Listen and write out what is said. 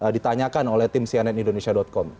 ditanyakan oleh tim cnnindonesia com